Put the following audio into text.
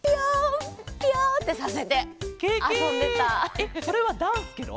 えっそれはダンスケロ？